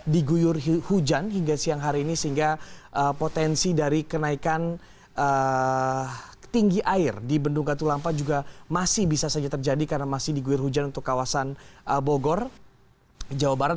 diguyur hujan hingga siang hari ini sehingga potensi dari kenaikan tinggi air di bendung katulampa juga masih bisa saja terjadi karena masih diguir hujan untuk kawasan bogor jawa barat